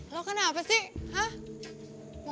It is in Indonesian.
lo kan apa sih hah